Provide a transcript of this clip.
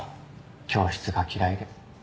教室が嫌いで。